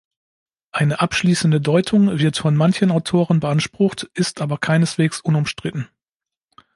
Eine abschließende Deutung wird von manchen Autoren beansprucht, ist aber keineswegs unumstritten.